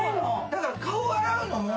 だから顔洗うのも。